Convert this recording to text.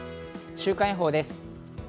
週間予報です。